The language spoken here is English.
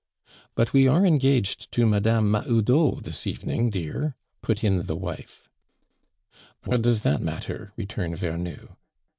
"But we are engaged to Mme. Mahoudeau this evening, dear," put in the wife. "What does that matter?" returned Vernou.